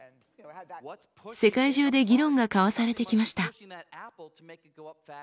世界中で議論が交わされてきました。